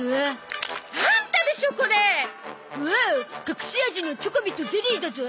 隠し味のチョコビとゼリーだゾ。